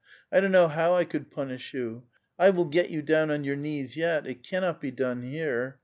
I don't know how I could punish you. I will get you down on your knees yet ; it cannot be done here.